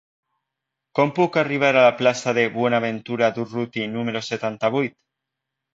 Com puc arribar a la plaça de Buenaventura Durruti número setanta-vuit?